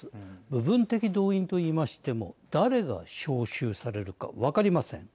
部分的動員と言いましても誰が召集されるか分かりません。